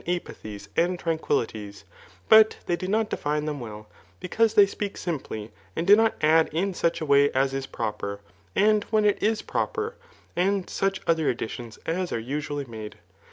i^adues and trahquiUities ; but they do not define thetti well, because they speak simply, and do not add, in such awsy aais pibper, and ^n^ien it is proper, and such other tidtdmia, as are usvally made.